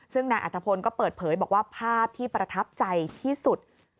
ซึ่งนายอัตภพลก็เปิดเผยบอกว่าภาพที่ประทับใจที่สุด